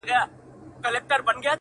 زه په تنهايي کي لاهم سور یمه-